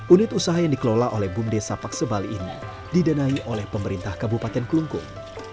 unit usaha yang dikelola oleh bum desa paksebali ini didanai oleh pemerintah kabupaten klungkung